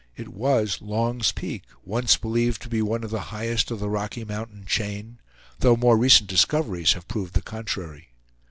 It was Long's Peak, once believed to be one of the highest of the Rocky Mountain chain, though more recent discoveries have proved the contrary.